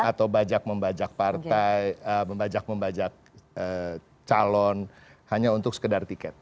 atau bajak membajak partai membajak membajak calon hanya untuk sekedar tiket